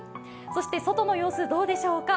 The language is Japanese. そして外の様子どうでしょうか。